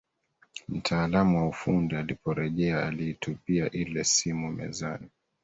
Mtaalamu wa ufundi aliporejea aliitupia ile simu mezani